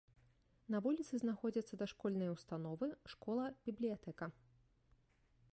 На вуліцы знаходзяцца дашкольныя ўстановы, школа, бібліятэка.